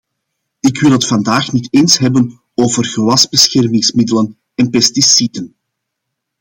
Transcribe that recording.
Ik wil het vandaag niet eens hebben over gewasbeschermingsmiddelen en pesticiden.